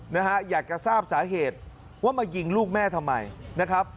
นะฮะอยากจะทราบสาเหตุว่ามายิงลูกแม่ทำไมนะครับ